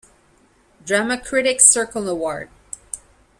Drama Critics Circle Award.